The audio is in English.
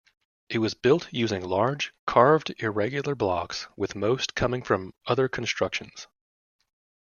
It was built using large, carved, irregular blocks, with most coming from other constructions.